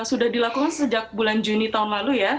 sudah dilakukan sejak bulan juni tahun lalu ya